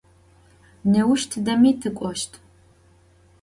Nêuş tıdemi tık'oşt.